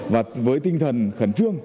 và với tinh thần khẩn trương